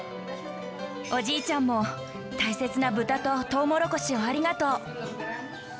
おじいちゃんも大切な豚ととうもろこしをありがとう！